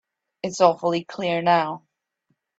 It's awfully clear now.